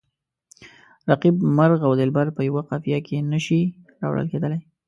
رقیب، مرغ او دلبر په یوه قافیه کې نه شي راوړل کیدلای.